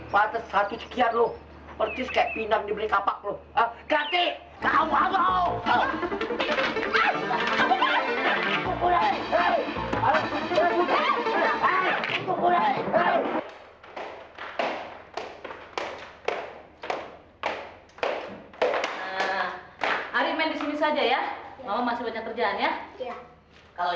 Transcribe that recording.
pantes satu sekian lu